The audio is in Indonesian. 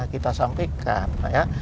kita sampaikan ya